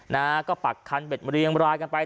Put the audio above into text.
และก็ปลักคันเบ็ดเมลีวลาไปตามหาด